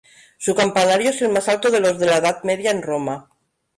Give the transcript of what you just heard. Su campanario es el más alto de los de la Edad Media en Roma.